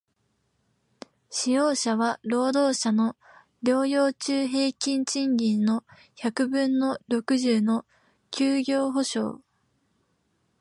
使用者は、労働者の療養中平均賃金の百分の六十の休業補償